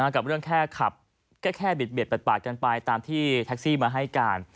กับเรื่องแค่ขับก็แค่บิดปาดกันไปตามที่แท็กซี่มาให้การ